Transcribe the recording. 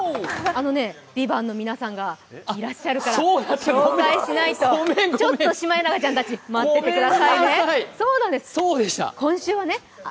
あのね、「ＶＩＶＡＮＴ」の皆さんがいらっしゃるから紹介しないと、ちょっとシマエナガちゃんたち待っててくださいね。